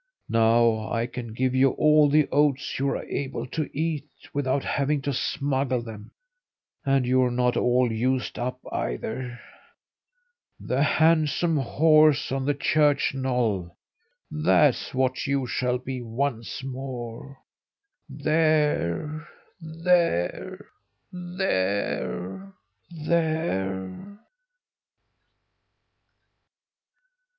Now I can give you all the oats you are able to eat, without having to smuggle them. And you're not all used up, either! The handsomest horse on the church knoll that's what you shall be once more! There, there!